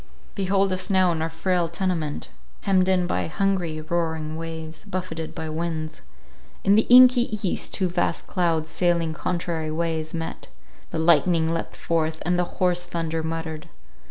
Behold us now in our frail tenement, hemmed in by hungry, roaring waves, buffeted by winds. In the inky east two vast clouds, sailing contrary ways, met; the lightning leapt forth, and the hoarse thunder muttered.